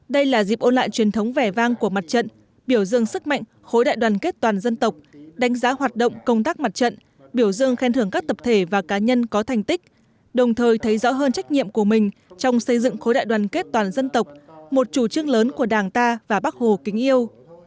đây là dịp ôn lại truyền thống vẻ vang của mặt trận biểu dương sức mạnh khối đại đoàn kết toàn dân tộc đánh giá hoạt động công tác mặt trận biểu dương khen thưởng các tập thể và cá nhân có thành tích đồng thời thấy rõ hơn trách nhiệm của mình trong xây dựng khối đại đoàn kết toàn dân tộc một chủ trương lớn của đảng ta và bắc hồ kính yêu